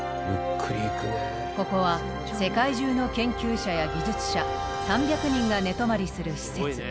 ここは世界中の研究者や技術者３００人が寝泊まりする施設。